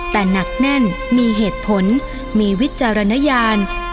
แต่หนักแน่นมีเหตุผลมีวิจารณญาณ